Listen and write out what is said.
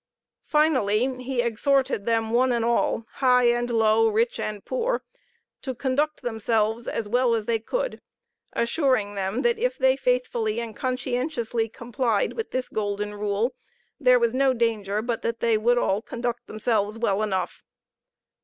Finally, he exhorted them, one and all, high and low, rich and poor, to conduct themselves as well as they could, assuring them that if they faithfully and conscientiously complied with this golden rule, there was no danger but that they would all conduct themselves well enough.